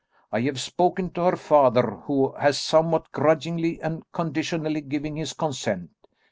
I have spoken to her father, who has somewhat grudgingly and conditionally given his consent.